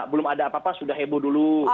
belum ada apa apa sudah heboh dulu